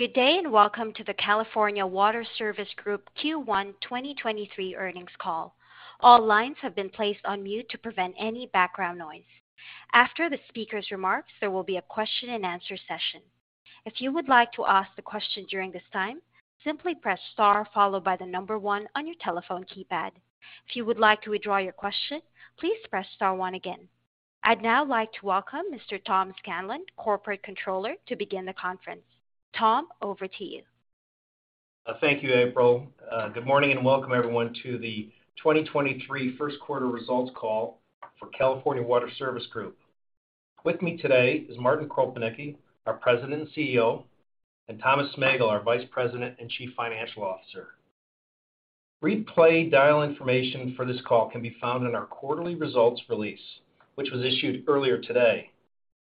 Good day, and welcome to the California Water Service Group Q1 2023 earnings call. All lines have been placed on mute to prevent any background noise. After the speaker's remarks, there will be a question-and-answer session. If you would like to ask a question during this time, simply press star followed by one on your telephone keypad. If you would like to withdraw your question, please press star one again. I'd now like to welcome Mr. Tom Scanlon, Corporate Controller, to begin the conference. Tom, over to you. Thank you, April. Good morning and welcome everyone to the 2023 first quarter results call for California Water Service Group. With me today is Martin Kropelnicki, our President and CEO, and Thomas Smegal, our Vice President and Chief Financial Officer. Replay dial information for this call can be found in our quarterly results release, which was issued earlier today.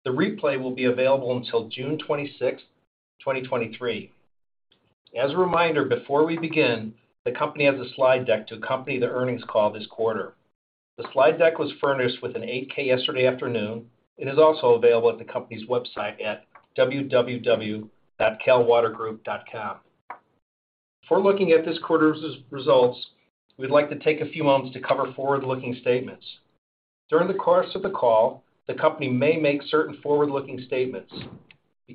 The replay will be available until June 26, 2023. As a reminder, before we begin, the company has a slide deck to accompany the earnings call this quarter. The slide deck was furnished with an Form 8-K yesterday afternoon and is also available at the company's website at www.calwatergroup.com. Before looking at this quarter's results, we'd like to take a few moments to cover forward-looking statements. During the course of the call, the company may make certain forward-looking statements.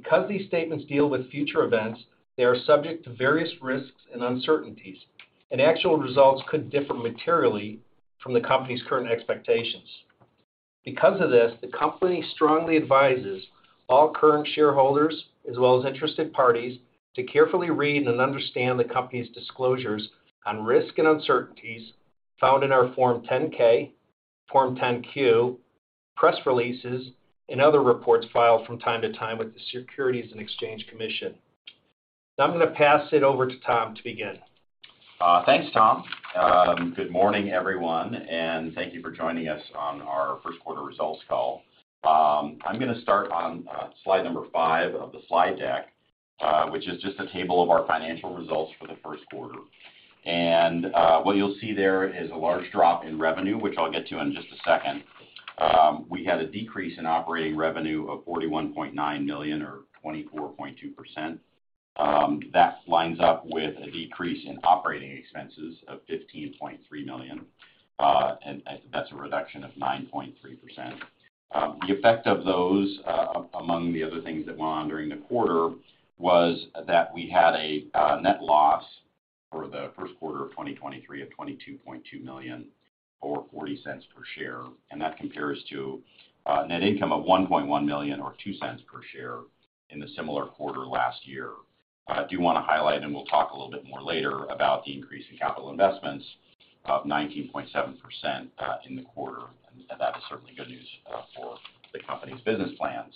Because these statements deal with future events, they are subject to various risks and uncertainties, and actual results could differ materially from the company's current expectations. Because of this, the company strongly advises all current shareholders as well as interested parties to carefully read and understand the company's disclosures on risk and uncertainties found in our Form 10-K, Form 10-Q, press releases and other reports filed from time to time with the Securities and Exchange Commission. Now I'm gonna pass it over to Tom to begin. Thanks, Tom. Good morning, everyone, and thank you for joining us on our first quarter results call. I'm gonna start on slide five of the slide deck, which is just a table of our financial results for the first quarter. What you'll see there is a large drop in revenue, which I'll get to in just a second. We had a decrease in operating revenue of $41.9 million or 24.2%. That lines up with a decrease in operating expenses of $15.3 million, and that's a reduction of 9.3%. The effect of those, among the other things that went on during the quarter, was that we had a net loss for the first quarter of 2023 of $22.2 million or $0.40 per share. That compares to net income of $1.1 million or $0.02 per share in the similar quarter last year. I do wanna highlight, and we'll talk a little bit more later, about the increase in capital investments of 19.7% in the quarter, and that is certainly good news for the company's business plans.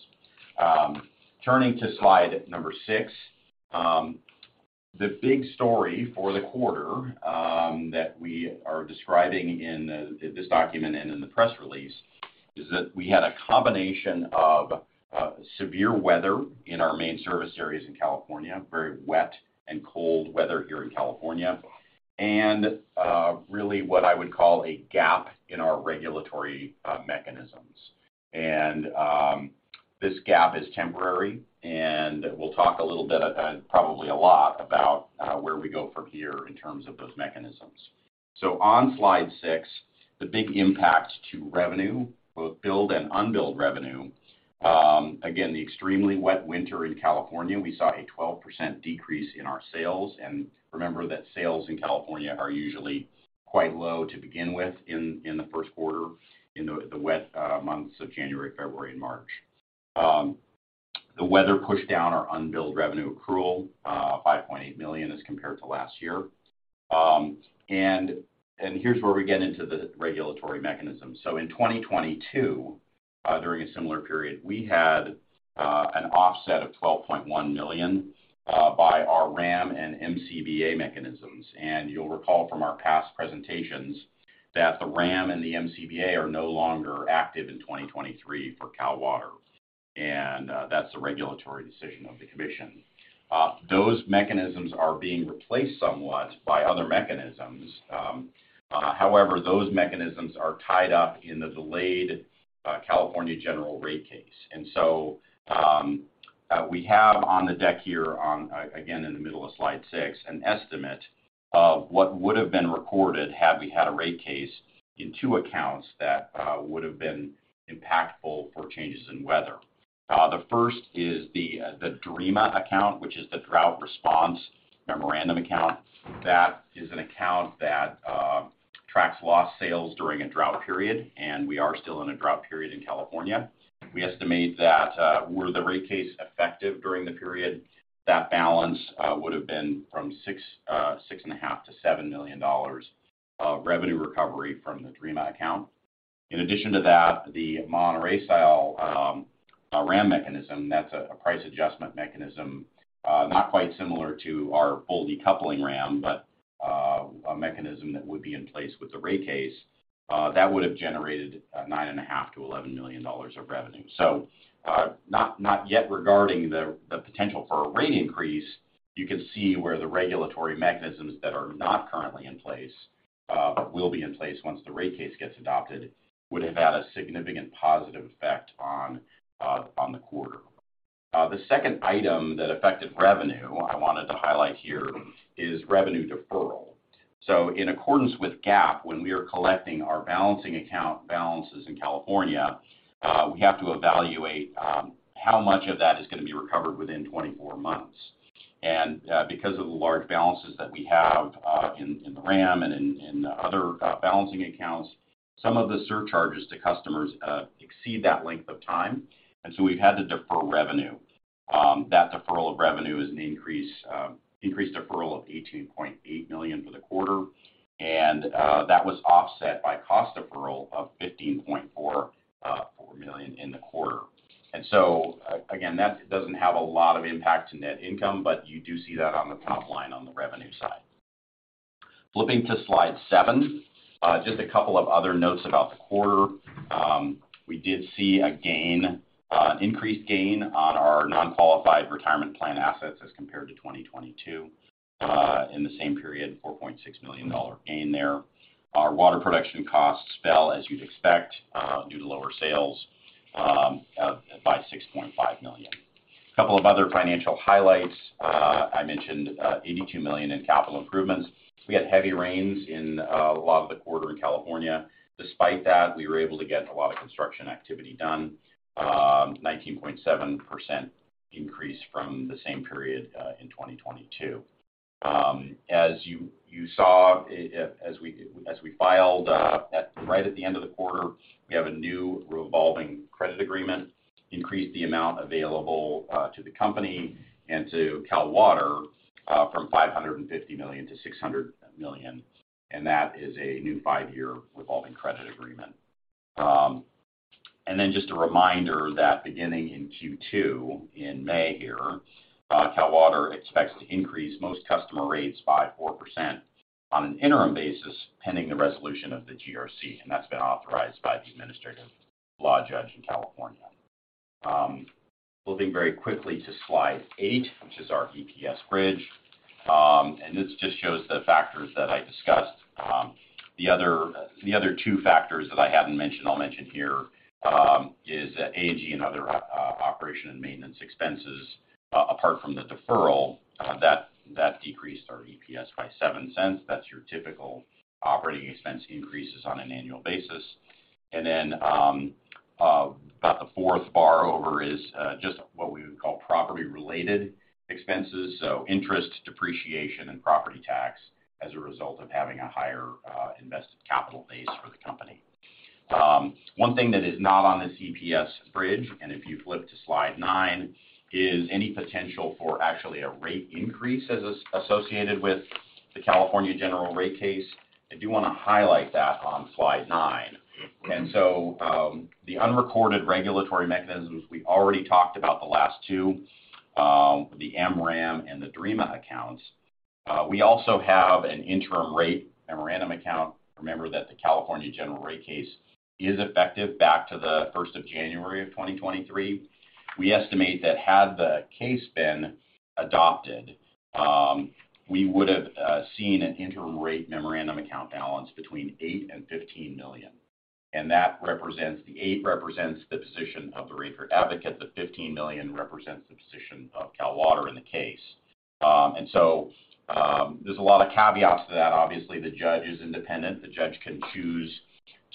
Turning to slide six. The big story for the quarter that we are describing in this document and in the press release is that we had a combination of severe weather in our main service areas in California, very wet and cold weather here in California, and really what I would call a gap in our regulatory mechanisms. This gap is temporary, and we'll talk a little bit, probably a lot, about where we go from here in terms of those mechanisms. On slide six, the big impact to revenue, both billed and unbilled revenue. Again, the extremely wet winter in California, we saw a 12% decrease in our sales. Remember that sales in California are usually quite low to begin with in the first quarter in the wet months of January, February and March. The weather pushed down our unbilled revenue accrual $5.8 million as compared to last year. Here's where we get into the regulatory mechanism. In 2022, during a similar period, we had an offset of $12.1 million by our WRAM and MCBA mechanisms. You'll recall from our past presentations that the WRAM and the MCBA are no longer active in 2023 for Cal Water, that's the regulatory decision of the Commission. Those mechanisms are being replaced somewhat by other mechanisms. However, those mechanisms are tied up in the delayed California General Rate Case. We have on the deck here on, again, in the middle of slide six, an estimate of what would have been recorded had we had a rate case in two accounts that would have been impactful for changes in weather. The first is the DRMA account, which is the Drought Response Memorandum Account. That is an account that tracks lost sales during a drought period, and we are still in a drought period in California. We estimate that, were the rate case effective during the period, that balance would have been from $6.5 million-$7 million of revenue recovery from the DRMA account. In addition to that, the Monterey-style WRAM mechanism, that's a price adjustment mechanism, not quite similar to our full decoupling WRAM, but a mechanism that would be in place with the rate case, that would have generated $9.5 million-$11 million of revenue. Not yet regarding the potential for a rate increase, you can see where the regulatory mechanisms that are not currently in place, will be in place once the rate case gets adopted, would have had a significant positive effect on the quarter. The second item that affected revenue I wanted to highlight here is revenue deferral. In accordance with GAAP, when we are collecting our balancing account balances in California, we have to evaluate how much of that is gonna be recovered within 24 months. Because of the large balances that we have in the WRAM and other balancing accounts, some of the surcharges to customers exceed that length of time, and so we've had to defer revenue. That deferral of revenue is an increase, increased deferral of $18.8 million for the quarter, and that was offset by cost deferral of $15.4 million in the quarter. Again, that doesn't have a lot of impact to net income, but you do see that on the top line on the revenue side. Flipping to slide seven, just a couple of other notes about the quarter. We did see an increased gain on our non-qualified retirement plan assets as compared to 2022, in the same period, a $4.6 million gain there. Our water production costs fell as you'd expect, due to lower sales, by $6.5 million. A couple of other financial highlights. I mentioned $82 million in capital improvements. We had heavy rains in a lot of the quarter in California. Despite that, we were able to get a lot of construction activity done, a 19.7% increase from the same period, in 2022. As you saw, as we filed, right at the end of the quarter, we have a new revolving credit agreement, increased the amount available to the company and to Cal Water from $550 million-$600 million. That is a new five-year revolving credit agreement. Then just a reminder that beginning in Q2, in May here, Cal Water expects to increase most customer rates by 4% on an interim basis pending the resolution of the GRC, and that's been authorized by the administrative law judge in California. Moving very quickly to slide eight, which is our EPS bridge. This just shows the factors that I discussed. The other two factors that I haven't mentioned, I'll mention here, is A&G and other operation and maintenance expenses, apart from the deferral, that decreased our EPS by $0.07. That's your typical operating expense increases on an annual basis. About the fourth bar over is just what we would call property-related expenses, so interest, depreciation, and property tax as a result of having a higher invested capital base for the company. One thing that is not on this EPS bridge, and if you flip to slide nine, is any potential for actually a rate increase as is associated with the California General Rate Case. I do want to highlight that on slide nine. The unrecorded regulatory mechanisms, we already talked about the last two, the M-WRAM and the DREMA accounts. We also have an Interim Rates Memorandum Account. Remember that the California General Rate Case is effective back to January 1, 2023. We estimate that had the case been adopted, we would have seen an Interim Rates Memorandum Account balance between $8 million and $15 million. The eight represents the position of the ratepayer advocate, the $15 million represents the position of Cal Water in the case. There's a lot of caveats to that. Obviously, the judge is independent. The judge can choose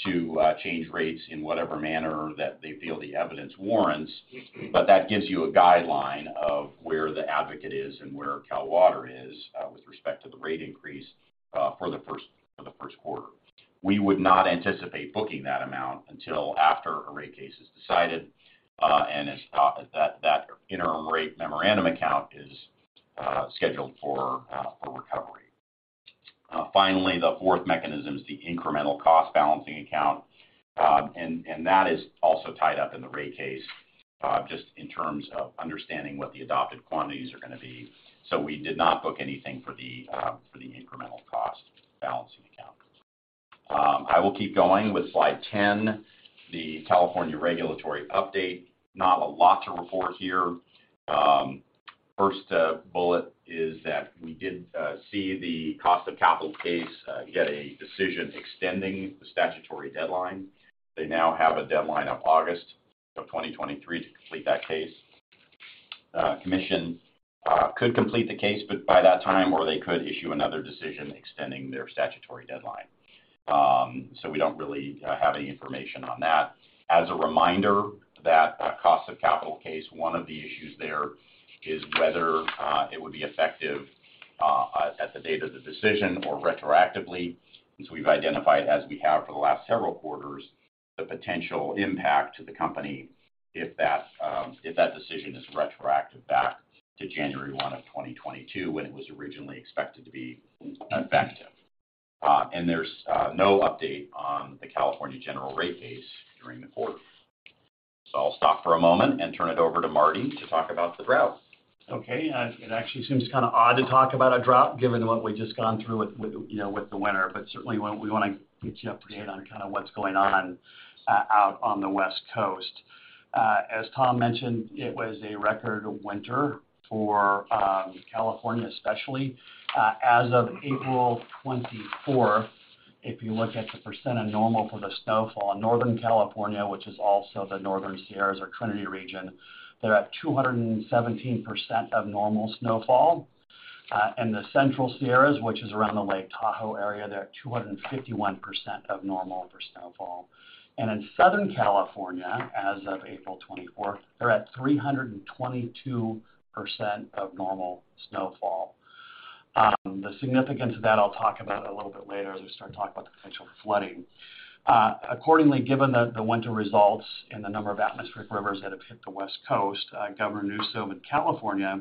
to change rates in whatever manner that they feel the evidence warrants, but that gives you a guideline of where the advocate is and where Cal Water is with respect to the rate increase for the first quarter. We would not anticipate booking that amount until after a rate case is decided, and it's that Interim Rates Memorandum Account is scheduled for recovery. Finally, the fourth mechanism is the Incremental Cost Balancing Account. That is also tied up in the rate case, just in terms of understanding what the adopted quantities are gonna be. We did not book anything for the Incremental Cost Balancing Account. I will keep going with slide 10, the California regulatory update. Not a lot to report here. First, bullet is that we did see the cost of capital case get a decision extending the statutory deadline. They now have a deadline of August of 2023 to complete that case. Commission could complete the case, but by that time, or they could issue another decision extending their statutory deadline. So we don't really have any information on that. As a reminder, that cost of capital case, one of the issues there is whether it would be effective at the date of the decision or retroactively. So we've identified as we have for the last several quarters, the potential impact to the company if that decision is retroactive back to January 1 of 2022, when it was originally expected to be effective. And there's no update on the California General Rate Case during the quarter. So I'll stop for a moment and turn it over to Marty to talk about the drought. Okay. It actually seems kind of odd to talk about a drought given what we've just gone through with, you know, with the winter, certainly we want to get you up to date on kind of what's going on out on the West Coast. As Tom mentioned, it was a record winter for California, especially. As of April 24th. If you look at the percent of normal for the snowfall in Northern California, which is also the Northern Sierras or Trinity region, they're at 217% of normal snowfall. In the Central Sierras, which is around the Lake Tahoe area, they're at 251% of normal for snowfall. In Southern California, as of April 24th, they're at 322% of normal snowfall. The significance of that, I'll talk about a little bit later as we start to talk about the potential flooding. Accordingly, given the winter results and the number of atmospheric rivers that have hit the West Coast, Governor Newsom in California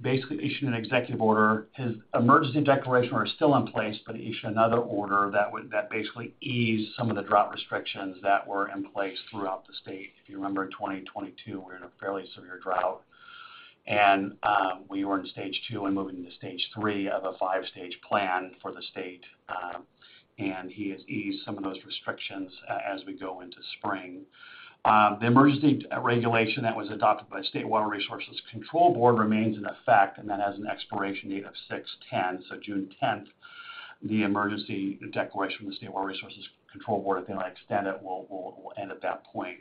basically issued an executive order. His emergency declaration are still in place, but he issued another order that basically eased some of the drought restrictions that were in place throughout the state. If you remember, in 2022, we were in a fairly severe drought. We were in stage two and moving to stage three of a five-stage plan for the state. He has eased some of those restrictions as we go into spring. The emergency regulation that was adopted by State Water Resources Control Board remains in effect. That has an expiration date of 6/10, so June 10th. The emergency declaration from the State Water Resources Control Board, if they don't extend it, will end at that point.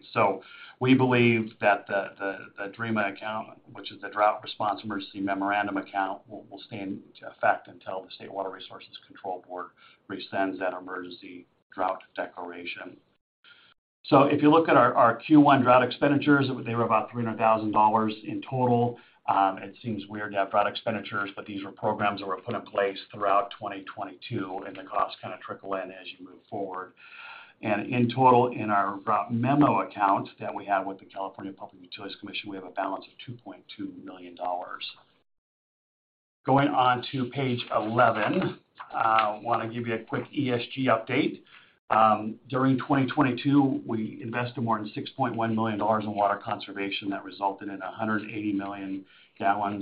We believe that the DREMA account, which is the Drought Response Emergency Memorandum account, will stay in effect until the State Water Resources Control Board resends that emergency drought declaration. If you look at our Q1 drought expenditures, they were about $300,000 in total. It seems weird to have drought expenditures, but these were programs that were put in place throughout 2022, and the costs kinda trickle in as you move forward. In total, in our Drought Memo Account that we have with the California Public Utilities Commission, we have a balance of $2.2 million. Going on to page 11, wanna give you a quick ESG update. During 2022, we invested more than $6.1 million in water conservation. That resulted in 180 million gal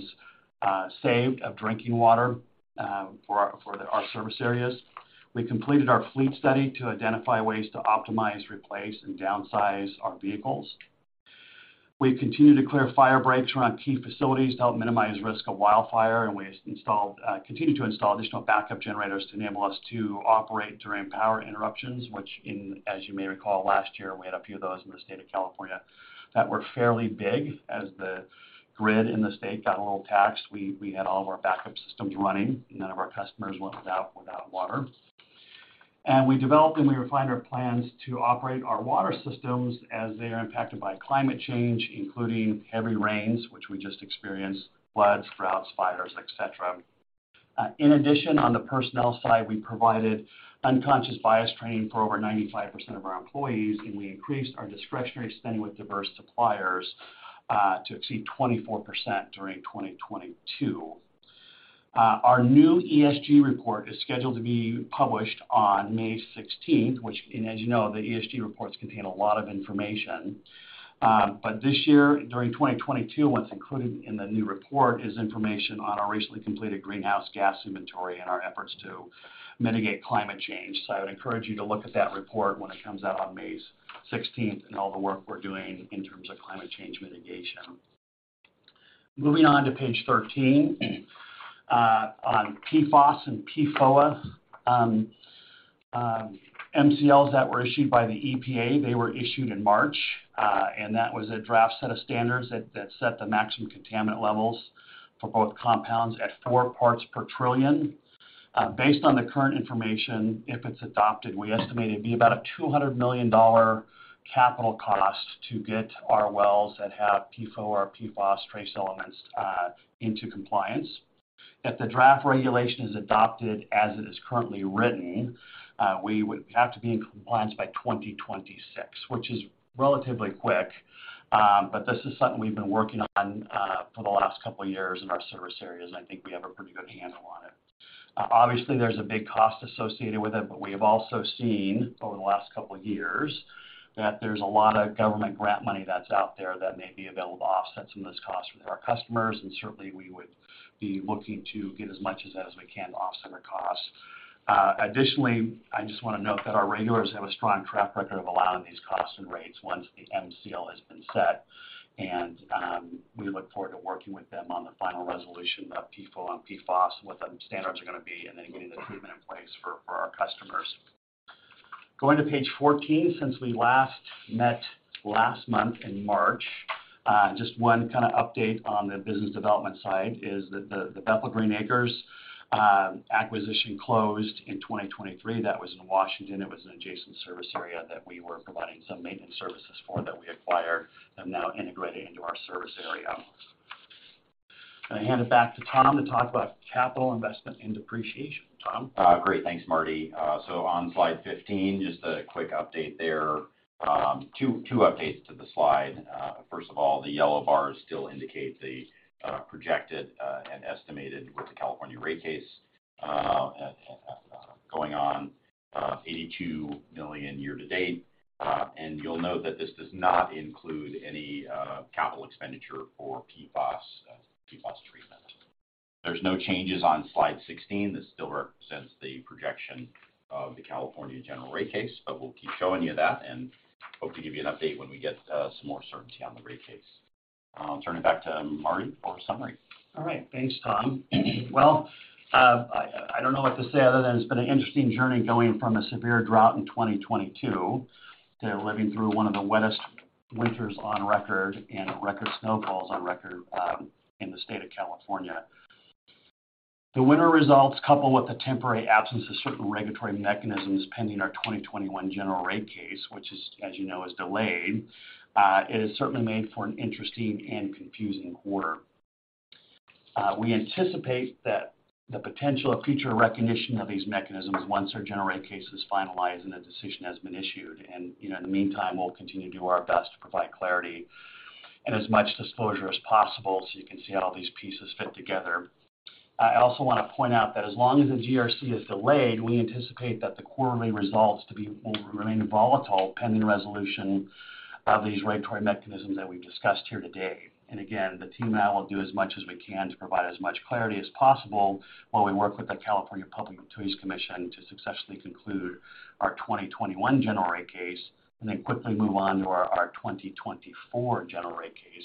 saved of drinking water for our service areas. We completed our fleet study to identify ways to optimize, replace, and downsize our vehicles. We've continued to clear fire breaks around key facilities to help minimize risk of wildfire, and we continued to install additional backup generators to enable us to operate during power interruptions, which as you may recall, last year, we had a few of those in the State of California that were fairly big. As the grid in the state got a little taxed, we had all of our backup systems running. None of our customers went without water. We developed and we refined our plans to operate our water systems as they are impacted by climate change, including heavy rains, which we just experienced, floods, droughts, fires, et cetera. In addition, on the personnel side, we provided unconscious bias training for over 95% of our employees, and we increased our discretionary spending with diverse suppliers to exceed 24% during 2022. Our new ESG report is scheduled to be published on May 16th, as you know, the ESG reports contain a lot of information. This year, during 2022, what's included in the new report is information on our recently completed greenhouse gas inventory and our efforts to mitigate climate change. I would encourage you to look at that report when it comes out on May 16th and all the work we're doing in terms of climate change mitigation. Moving on to page 13, on PFAS and PFOA, MCLs that were issued by the EPA, they were issued in March, and that was a draft set of standards that set the maximum contaminant levels for both compounds at four parts per trillion. Based on the current information, if it's adopted, we estimate it'd be about a $200 million capital cost to get our wells that have PFOA or PFAS trace elements into compliance. If the draft regulation is adopted as it is currently written, we would have to be in compliance by 2026, which is relatively quick. This is something we've been working on for the last couple years in our service areas, and I think we have a pretty good handle on it. Obviously, there's a big cost associated with it, but we have also seen over the last couple years that there's a lot of government grant money that's out there that may be available to offset some of those costs for our customers. Certainly, we would be looking to get as much as we can to offset our costs. Additionally, I just wanna note that our regulators have a strong track record of allowing these costs and rates once the MCL has been set. We look forward to working with them on the final resolution of PFOA and PFAS, what the standards are gonna be, and then getting the treatment in place for our customers. Going to page 14, since we last met last month in March, just one kinda update on the business development side is that the Bethel Greenacres acquisition closed in 2023. That was in Washington. It was an adjacent service area that we were providing some maintenance services for that we acquired and now integrated into our service area. I hand it back to Tom to talk about capital investment and depreciation. Tom? Great. Thanks, Marty. On slide 15, just a quick update there. Two updates to the slide. First of all, the yellow bars still indicate the projected and estimated with the California rate case going on, $82 million year to date. You'll note that this does not include any capital expenditure for PFAS treatment. There's no changes on slide 16. This still represents the projection of the California General Rate Case. We'll keep showing you that and hope to give you an update when we get some more certainty on the rate case. I'll turn it back to Marty for summary. All right. Thanks, Tom. Well, I don't know what to say other than it's been an interesting journey going from a severe drought in 2022 to living through one of the wettest winters on record and record snowfalls on record in the state of California. The winter results, coupled with the temporary absence of certain regulatory mechanisms pending our 2021 General Rate Case, which as you know, is delayed, it has certainly made for an interesting and confusing quarter. We anticipate that the potential of future recognition of these mechanisms once our General Rate Case is finalized and the decision has been issued. You know, in the meantime, we'll continue to do our best to provide clarity and as much disclosure as possible so you can see how these pieces fit together. I also wanna point out that as long as the GRC is delayed, we anticipate that the quarterly results will remain volatile pending the resolution of these regulatory mechanisms that we've discussed here today. Again, the team and I will do as much as we can to provide as much clarity as possible while we work with the California Public Utilities Commission to successfully conclude our 2021 general rate case and then quickly move on to our 2024 general rate case,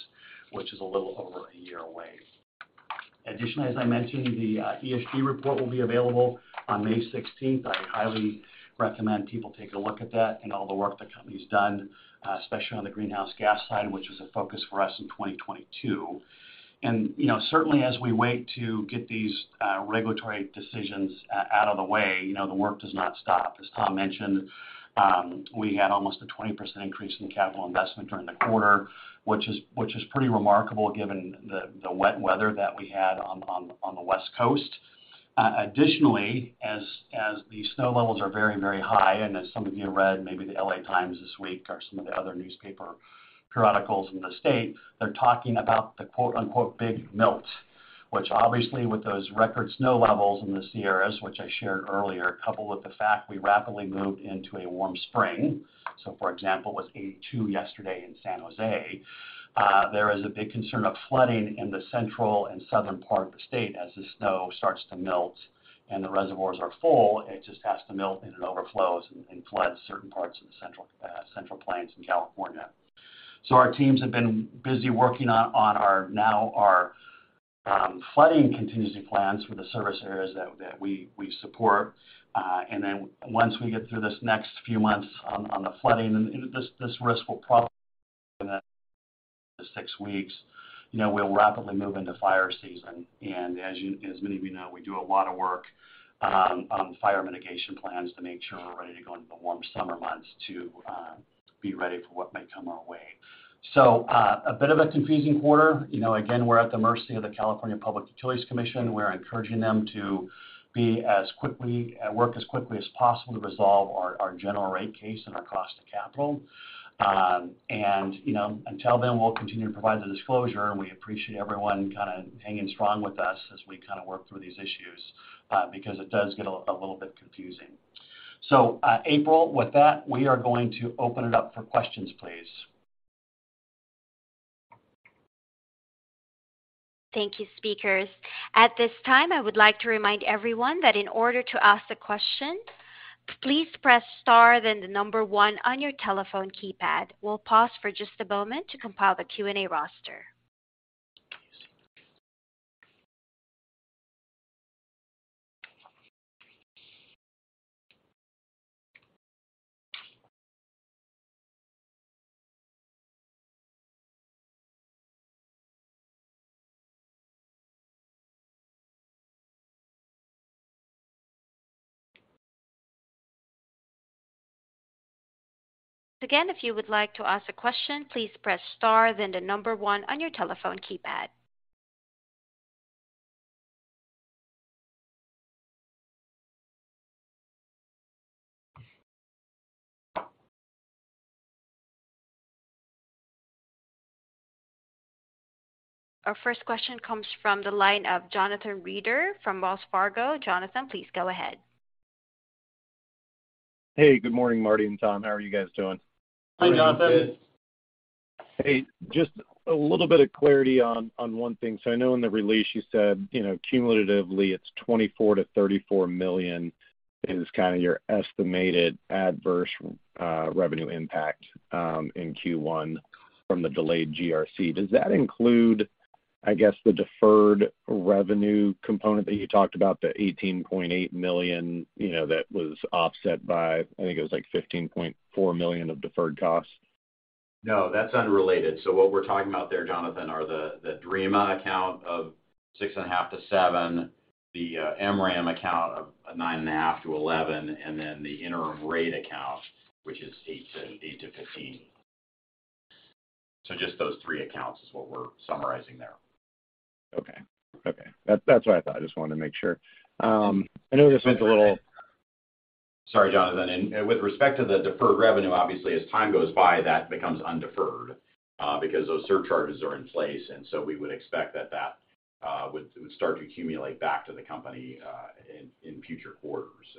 which is a little over a year away. Additionally, as I mentioned, the ESG report will be available on May 16th. I highly recommend people take a look at that and all the work the company's done, especially on the greenhouse gas side, which is a focus for us in 2022. You know, certainly as we wait to get these regulatory decisions out of the way, you know, the work does not stop. As Tom mentioned, we had almost a 20% increase in capital investment during the quarter, which is pretty remarkable given the wet weather that we had on the West Coast. Additionally, as the snow levels are very, very high, and as some of you read maybe the L.A. Times this week or some of the other newspaper periodicals in the state, they're talking about the quote-unquote, big melt, which obviously with those record snow levels in the Sierras, which I shared earlier, coupled with the fact we rapidly moved into a warm spring. For example, it was 82 yesterday in San Jose. There is a big concern of flooding in the central and southern part of the state as the snow starts to melt and the reservoirs are full, it just has to melt, and it overflows and floods certain parts of the central plains in California. Our teams have been busy working on our now our flooding contingency plans for the service areas that we support. Once we get through this next few months on the flooding, and this risk will probably six weeks. You know, we'll rapidly move into fire season. As many of you know, we do a lot of work on fire mitigation plans to make sure we're ready to go into the warm summer months to be ready for what may come our way. A bit of a confusing quarter. You know, again, we're at the mercy of the California Public Utilities Commission. We're encouraging them to work as quickly as possible to resolve our general rate case and our cost of capital. You know, until then, we'll continue to provide the disclosure, and we appreciate everyone kinda hanging strong with us as we kinda work through these issues, because it does get a little bit confusing. April, with that, we are going to open it up for questions, please. Thank you, speakers. At this time, I would like to remind everyone that in order to ask a question, please press star then the number one on your telephone keypad. We'll pause for just a moment to compile the Q&A roster. Again, if you would like to ask a question, please press star then the number one on your telephone keypad. Our first question comes from the line of Jonathan Reeder from Wells Fargo. Jonathan, please go ahead. Hey, good morning, Marty and Tom. How are you guys doing? Hi, Jonathan. We're doing good. Hey, just a little bit of clarity on one thing. I know in the release you said, you know, cumulatively it's $24 million-$34 million is kinda your estimated adverse revenue impact in Q1 from the delayed GRC. Does that include, I guess, the deferred revenue component that you talked about, the $18.8 million, you know, that was offset by, I think it was like $15.4 million of deferred costs? That's unrelated. What we're talking about there, Jonathan, are the DREMA account of $6.5-$7, the M-WRAM account of $9.5-$11, and then the interim rate account, which is $8-$15. Just those three accounts is what we're summarizing there. Okay. Okay. That's what I thought. I just wanted to make sure. I know this makes a little- Sorry, Jonathan. With respect to the deferred revenue, obviously as time goes by, that becomes undeferred, because those surcharges are in place. So we would expect that that would start to accumulate back to the company, in future quarters.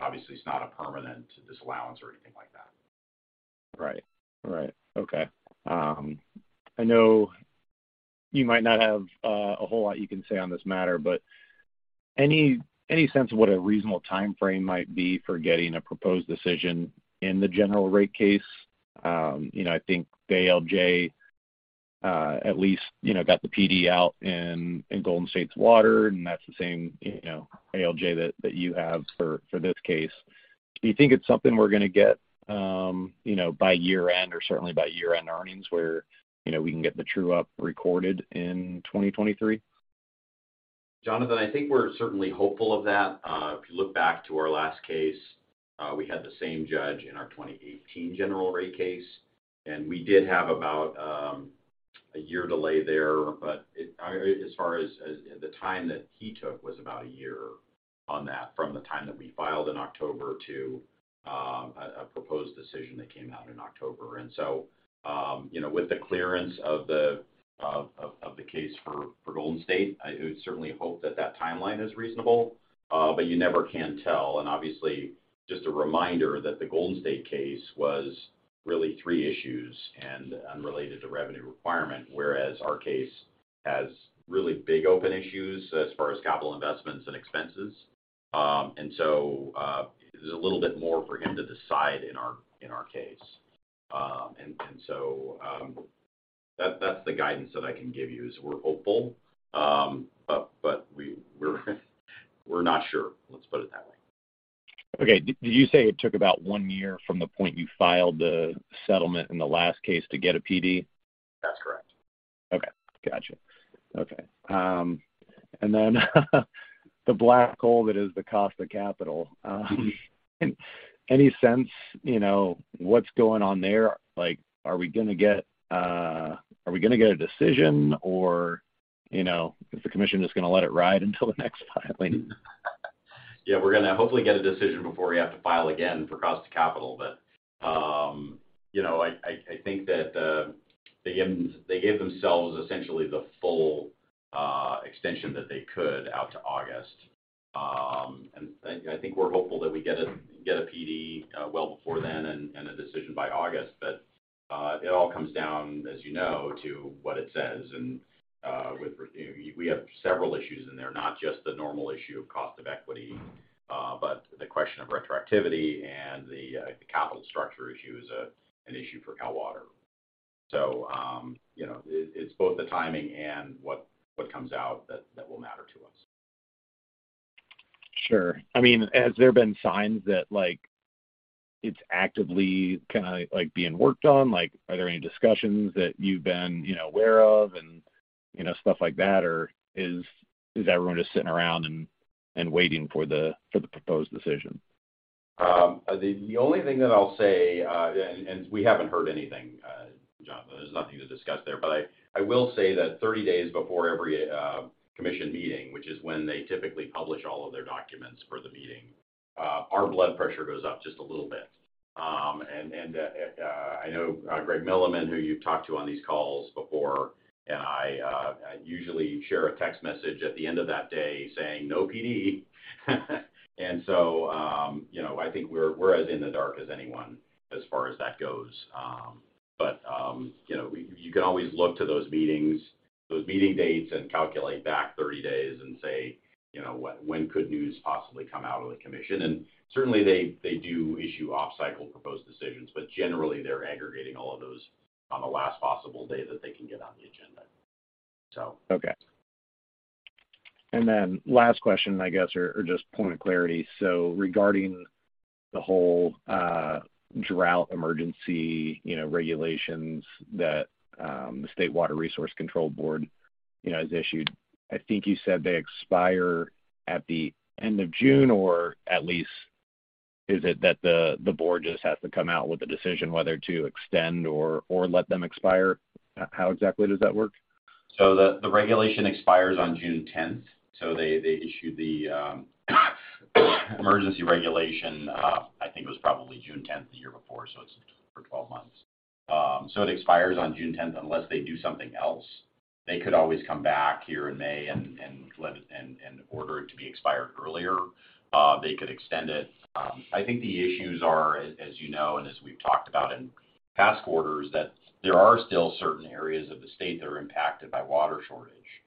Obviously it's not a permanent disallowance or anything like that. Right. Right. Okay. I know you might not have a whole lot you can say on this matter, but any sense of what a reasonable timeframe might be for getting a proposed decision in the General Rate Case? You know, I think ALJ, at least, you know, got the PD out in Golden State's water, and that's the same, you know, ALJ that you have for this case. Do you think it's something we're gonna get, you know, by year-end or certainly by year-end earnings where, you know, we can get the true-up recorded in 2023? Jonathan, I think we're certainly hopeful of that. If you look back to our last case, we had the same judge in our 2018 General Rate Case, and we did have about a year delay there. As far as the time that he took was about a year on that from the time that we filed in October to a proposed decision that came out in October. You know, with the clearance of the case for Golden State, I would certainly hope that that timeline is reasonable, but you never can tell. Just a reminder that the Golden State case was really three issues and unrelated to revenue requirement, whereas our case has really big open issues as far as capital investments and expenses. There's a little bit more for him to decide in our, in our case. That's the guidance that I can give you, is we're hopeful. We're not sure. Let's put it that way. Okay. Did you say it took about one year from the point you filed the settlement in the last case to get a PD? That's correct. Okay. Gotcha. Okay. The black hole that is the cost of capital. Any sense, you know, what's going on there? Like, are we gonna get a decision or, you know, is the commission just gonna let it ride until the next filing? Yeah, we're gonna hopefully get a decision before we have to file again for cost of capital. You know, I think that they gave themselves essentially the full extension that they could out to August. I think we're hopeful that we get a, get a PD well before then and a decision by August. It all comes down, as you know, to what it says. We have several issues in there, not just the normal issue of cost of equity, but the question of retroactivity and the capital structure issue is a, an issue for Cal Water. You know, it's both the timing and what comes out that will matter to us. Sure. I mean, has there been signs that, like, it's actively kind of like being worked on? Like, are there any discussions that you've been, you know, aware of and, you know, stuff like that, or is everyone just sitting around and waiting for the proposed decision? The only thing that I'll say, and we haven't heard anything, Jonathan. There's nothing to discuss there. I will say that 30 days before every commission meeting, which is when they typically publish all of their documents for the meeting, our blood pressure goes up just a little bit. I know Greg Milleman, who you've talked to on these calls before, and I usually share a text message at the end of that day saying, "No PD." You know, I think we're as in the dark as anyone as far as that goes. You know, you can always look to those meetings, those meeting dates and calculate back 30 days and say, you know, "When could news possibly come out of the commission?" Certainly they do issue off-cycle proposed decisions, but generally they're aggregating all of those on the last possible day that they can get on the agenda. Okay. Last question, I guess, or just point of clarity. Regarding the whole drought emergency, you know, regulations that the State Water Resources Control Board, you know, has issued. I think you said they expire at the end of June, or at least is it that the board just has to come out with a decision whether to extend or let them expire? How exactly does that work? The regulation expires on June 10th. They issued the emergency regulation, I think it was probably June 10th the year before, so it's for 12 months. It expires on June 10th unless they do something else. They could always come back here in May and order it to be expired earlier. They could extend it. I think the issues are, as you know, and as we've talked about in past quarters, that there are still certain areas of the state that are impacted by water shortage,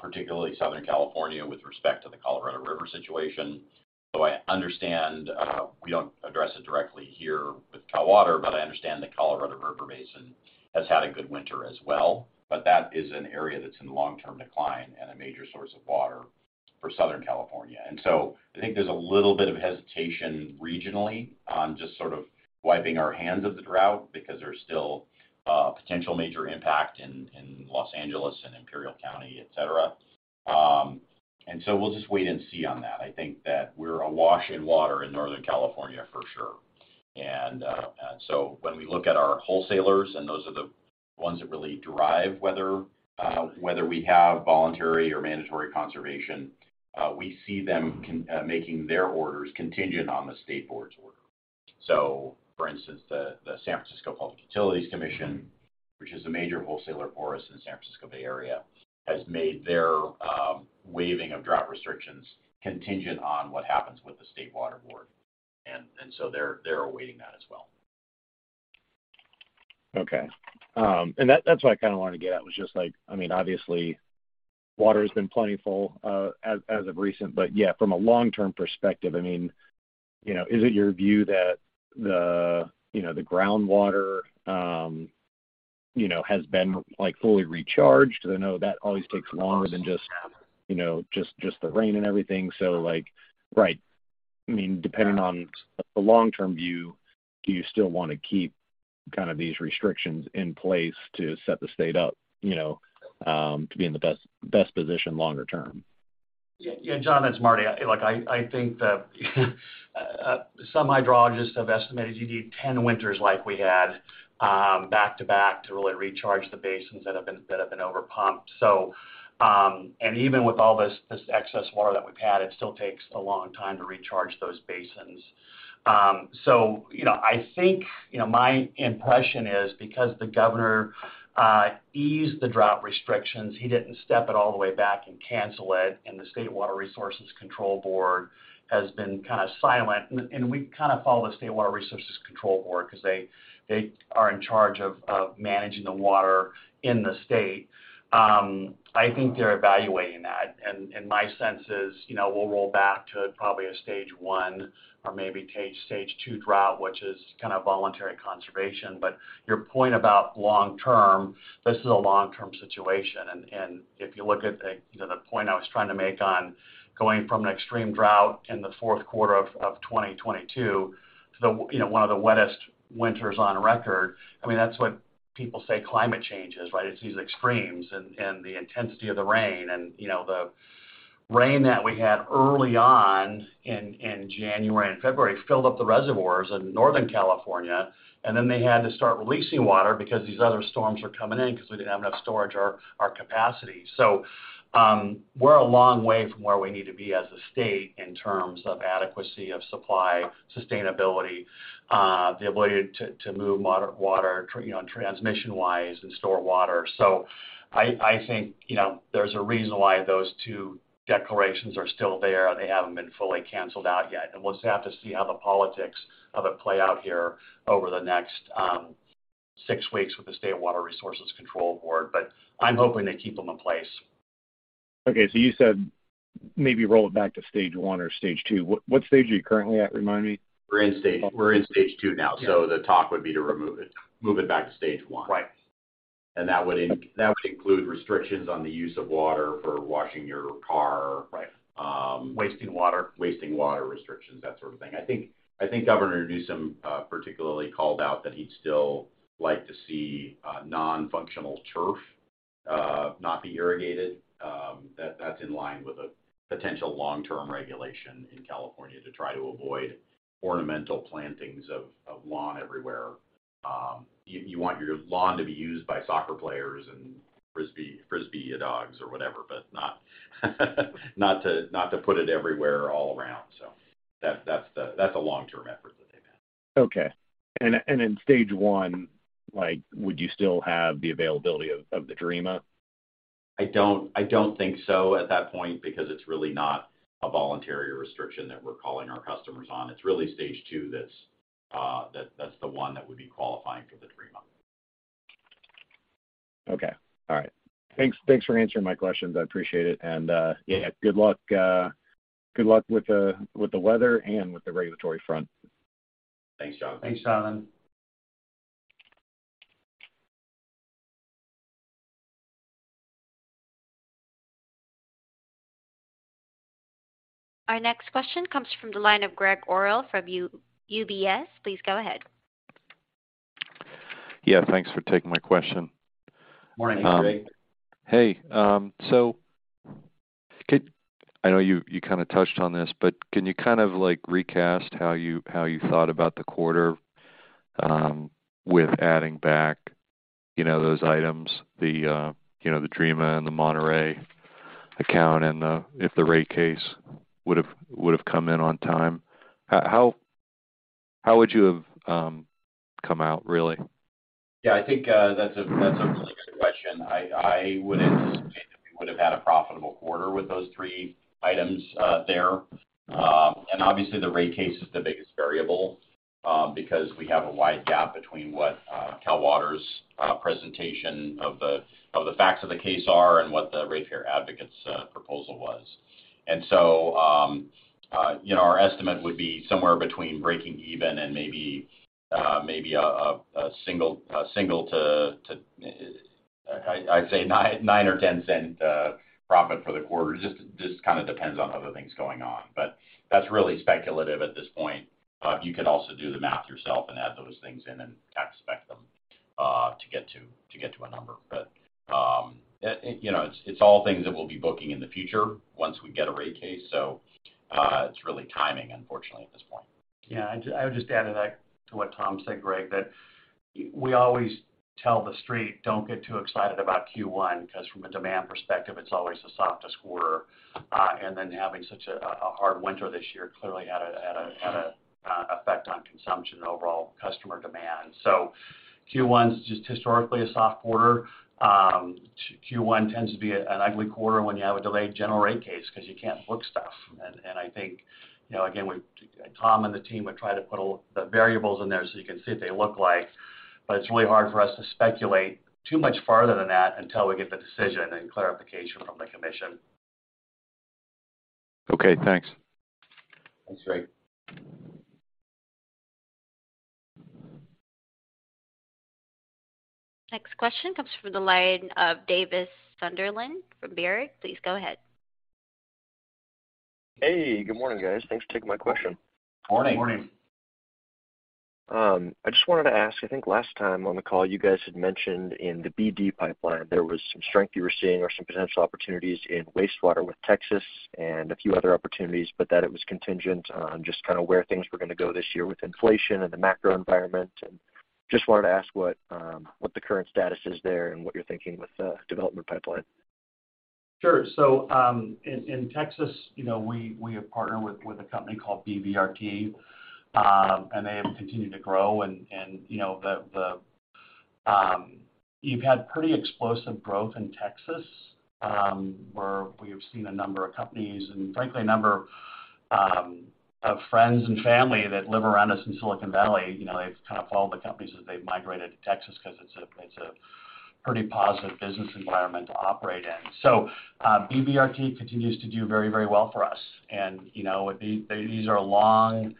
particularly Southern California with respect to the Colorado River situation. I understand, we don't address it directly here with Cal Water, but I understand the Colorado River Basin has had a good winter as well, but that is an area that's in long-term decline and a major source of water for Southern California. I think there's a little bit of hesitation regionally on just sort of wiping our hands of the drought because there's still a potential major impact in Los Angeles and Imperial County, et cetera. We'll just wait and see on that. I think that we're awash in water in Northern California for sure. When we look at our wholesalers, and those are the ones that really drive whether we have voluntary or mandatory conservation, we see them making their orders contingent on the State Board's order. For instance, the San Francisco Public Utilities Commission. Which is a major wholesaler for us in San Francisco Bay Area, has made their waiving of drought restrictions contingent on what happens with the State Water Board. They're awaiting that as well. Okay. That, that's what I kinda wanted to get at, was just like, I mean, obviously water's been plentiful, as of recent, but yeah, from a long-term perspective, I mean, you know, is it your view that the, you know, the groundwater, you know, has been, like, fully recharged? I know that always takes longer than just, you know, just the rain and everything. Like... Right. I mean, depending on the long-term view, do you still wanna keep kinda these restrictions in place to set the state up, you know, to be in the best position longer term? Yeah, John, it's Marty. Look, I think that some hydrologists have estimated you need 10 winters like we had back-to-back to really recharge the basins that have been over-pumped. And even with all this excess water that we've had, it still takes a long time to recharge those basins. You know, I think, you know, my impression is because the Governor eased the drought restrictions, he didn't step it all the way back and cancel it, and the State Water Resources Control Board has been kinda silent. And we kinda follow the State Water Resources Control Board 'cause they are in charge of managing the water in the state. I think they're evaluating that. My sense is, you know, we'll roll back to probably a stage one or maybe stage two drought, which is kind of voluntary conservation. Your point about long term, this is a long-term situation. If you look at the, you know, the point I was trying to make on going from an extreme drought in the fourth quarter of 2022 to the, you know, one of the wettest winters on record, I mean, that's what people say climate change is, right? It's these extremes and the intensity of the rain. The rain that we had early on in January and February filled up the reservoirs in Northern California, and then they had to start releasing water because these other storms were coming in 'cause we didn't have enough storage or capacity. We're a long way from where we need to be as a state in terms of adequacy of supply, sustainability, the ability to move water, you know, transmission-wise and store water. I think, you know, there's a reason why those two declarations are still there. They haven't been fully canceled out yet. We'll just have to see how the politics of it play out here over the next six weeks with the State Water Resources Control Board. I'm hoping they keep them in place. Okay. You said maybe roll it back to stage one or stage two. What stage are you currently at? Remind me. We're in stage two now. Yeah. The talk would be to remove it, move it back to stage one. Right. That would include restrictions on the use of water for washing your car. Right. Wasting water. Wasting water restrictions, that sort of thing. I think Governor Newsom particularly called out that he'd still like to see non-functional turf not be irrigated. That's in line with a potential long-term regulation in California to try to avoid ornamental plantings of lawn everywhere. You want your lawn to be used by soccer players and Frisbee dogs or whatever, but not to put it everywhere all around. That's the, that's a long-term effort that they've had. Okay. In stage one, like, would you still have the availability of the DREMA? I don't think so at that point because it's really not a voluntary restriction that we're calling our customers on. It's really stage two that's the one that would be qualifying for the DREMA. Okay. All right. Thanks for answering my questions. I appreciate it. Yeah Good luck, good luck with the weather and with the regulatory front. Thanks, John. Thanks, John. Our next question comes from the line of Gregg Orrill from UBS. Please go ahead. Yeah, thanks for taking my question. Morning, Greg. I know you kinda touched on this, but can you kind of like recast how you thought about the quarter, with adding back, you know, those items, the, you know, the DREMA and the Monterey account and if the rate case would've come in on time? How would you have come out really? Yeah, I think that's a really good question. I would anticipate that we would have had a profitable quarter with those three items there. Obviously the rate case is the biggest variable because we have a wide gap between what Cal Water's presentation of the facts of the case are and what the ratepayer advocate's proposal was. You know, our estimate would be somewhere between breaking even and maybe a $0.01 to $0.09-$0.10 profit for the quarter. Just kinda depends on other things going on. That's really speculative at this point. You can also do the math yourself and add those things in and tax spec them to get to a number. You know, it's all things that we'll be booking in the future once we get a rate case. It's really timing, unfortunately, at this point. I would just add to that, to what Tom said, Greg, that we always tell the street, "Don't get too excited about Q1," 'cause from a demand perspective, it's always the softest quarter. And then having such a hard winter this year clearly had an effect on consumption and overall customer demand. Q1's just historically a soft quarter. Q1 tends to be an ugly quarter when you have a delayed general rate case 'cause you can't book stuff. I think, you know, again, Tom and the team would try to put the variables in there so you can see what they look like, but it's really hard for us to speculate too much farther than that until we get the decision and clarification from the commission. Okay, thanks. Thanks, Greg. Next question comes from the line of Davis Sunderland from Baird. Please go ahead. Hey, good morning, guys. Thanks for taking my question. Morning. Morning. I just wanted to ask. I think last time on the call you guys had mentioned in the BD pipeline there was some strength you were seeing or some potential opportunities in wastewater with Texas and a few other opportunities, but that it was contingent on just kind of where things were gonna go this year with inflation and the macro environment. Just wanted to ask what the current status is there and what you're thinking with the development pipeline? Sure. In Texas, you know, we have partnered with a company called BVRT, and they have continued to grow and, you know. You've had pretty explosive growth in Texas, where we have seen a number of companies and frankly, a number of friends and family that live around us in Silicon Valley, you know, they've kind of followed the companies as they've migrated to Texas 'cause it's a, it's a pretty positive business environment to operate in. BVRT continues to do very, very well for us and, you know, these are long.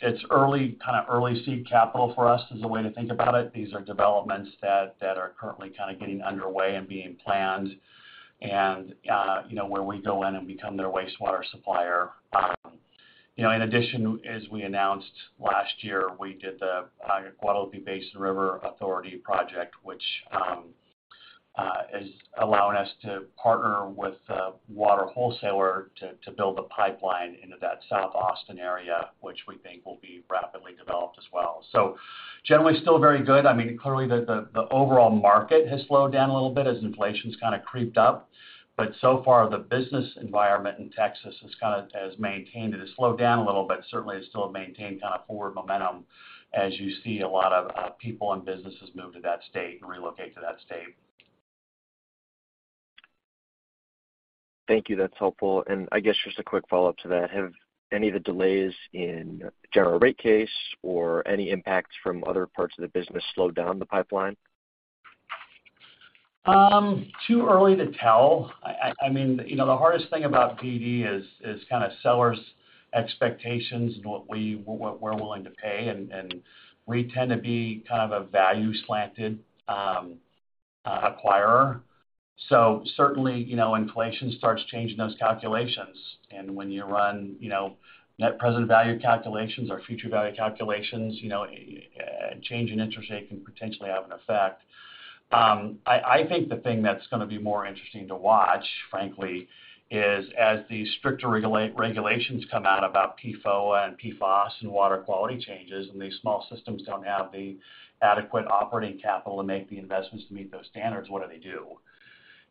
It's early, kinda early seed capital for us, is a way to think about it. These are developments that are currently kinda getting underway and being planned and, you know, where we go in and become their wastewater supplier. You know, in addition, as we announced last year, we did the Guadalupe-Blanco River Authority project, which is allowing us to partner with a water wholesaler to build a pipeline into that South Austin area, which we think will be rapidly developed as well. Generally, still very good. I mean, clearly the overall market has slowed down a little bit as inflation's kinda creeped up, but so far the business environment in Texas has maintained. It has slowed down a little, but certainly it's still maintained kinda forward momentum as you see a lot of people and businesses move to that state and relocate to that state. Thank you. That's helpful. I guess just a quick follow-up to that, have any of the delays in General Rate Case or any impacts from other parts of the business slowed down the pipeline? Too early to tell. I mean, you know, the hardest thing about BD is kind of sellers' expectations and what we're willing to pay and we tend to be kind of a value-slanted acquirer. Certainly, you know, inflation starts changing those calculations and when you run, you know, net present value calculations or future value calculations, you know, change in interest rate can potentially have an effect. I think the thing that's going to be more interesting to watch, frankly, is as the stricter regulations come out about PFOA and PFOS and water quality changes, and these small systems don't have the adequate operating capital to make the investments to meet those standards, what do they do?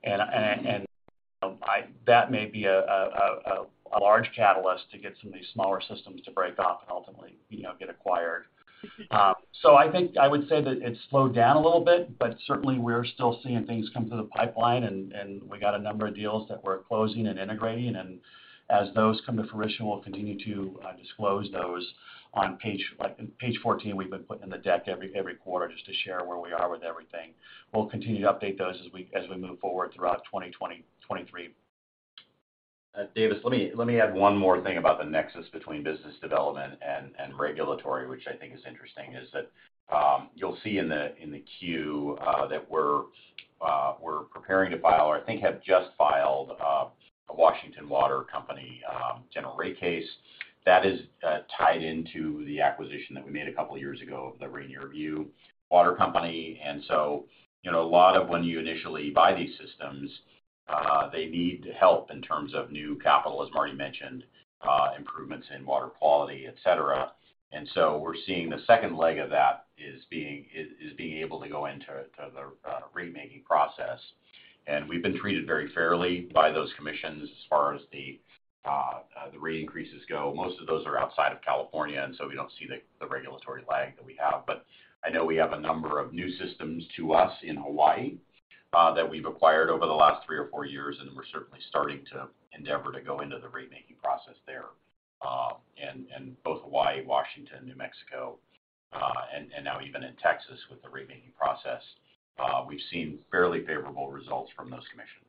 You know, I that may be a large catalyst to get some of these smaller systems to break off and ultimately, you know, get acquired. I think I would say that it's slowed down a little bit, but certainly we're still seeing things come through the pipeline and we got a number of deals that we're closing and integrating and as those come to fruition, we'll continue to disclose those on page, like page 14 we've been putting in the deck every quarter just to share where we are with everything. We'll continue to update those as we move forward throughout 2023. Davis, let me add one more thing about the nexus between business development and regulatory, which I think is interesting, is that you'll see in the queue that we're preparing to file or I think have just filed a Washington Water Service general rate case. That is tied into the acquisition that we made a couple years ago of the Rainier View Water Company. You know, a lot of when you initially buy these systems, they need help in terms of new capital, as Marty mentioned, improvements in water quality, et cetera. We're seeing the second leg of that is being able to go into the rate-making process. We've been treated very fairly by those commissions as far as the rate increases go. Most of those are outside of California, we don't see the regulatory lag that we have. I know we have a number of new systems to us in Hawaii that we've acquired over the last three or four years, and we're certainly starting to endeavor to go into the rate-making process there. In both Hawaii, Washington, New Mexico, and now even in Texas with the rate-making process, we've seen fairly favorable results from those commissions.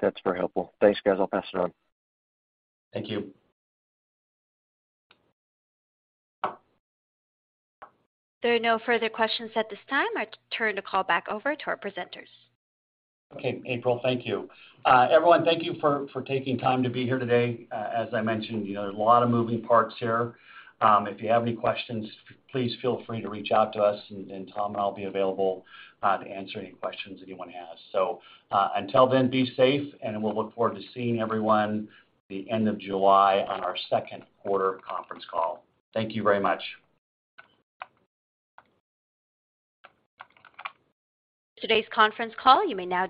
That's very helpful. Thanks, guys. I'll pass it on. Thank you. There are no further questions at this time. I turn the call back over to our presenters. Okay, April, thank you. Everyone, thank you for taking time to be here today. As I mentioned, you know, there are a lot of moving parts here. If you have any questions, please feel free to reach out to us and Tom and I will be available to answer any questions anyone has. Until then, be safe, and we'll look forward to seeing everyone the end of July on our second quarter conference call. Thank you very much. Today's conference call, you may now.